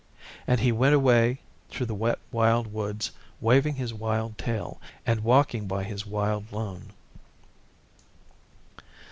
And he went away through the Wet Wild Woods waving his wild tail and walking by his wild lone.